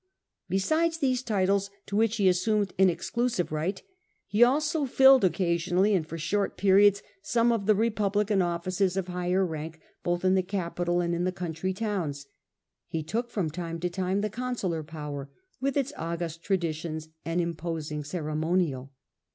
Besides these titles to which he assumed an exclusive right he also filled occasionally and for short periods most of the republican offices of higher rank, both in the capital and in the country towns. Potestas consular Consularis. power, with its august traditions and impo sing ceremonial.